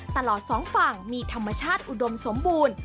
สองฝั่งมีธรรมชาติอุดมสมบูรณ์